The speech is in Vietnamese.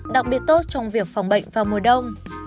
đặc biệt tốt trong việc phòng bệnh vào mùa đông